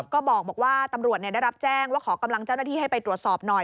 ก็บอกว่าตำรวจได้รับแจ้งว่าขอกำลังเจ้าหน้าที่ให้ไปตรวจสอบหน่อย